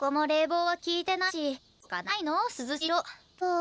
あ？